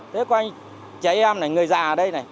thế quanh trẻ em này người già ở đây này